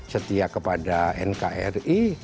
setia kepada nkri